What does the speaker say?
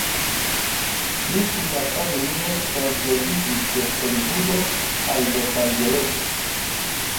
Ŝi kun la familio transloĝiĝis de Holivudo al Losanĝeleso.